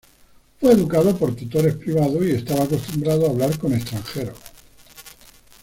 Fue educado por tutores privados, y estaba acostumbrado a hablar con extranjeros.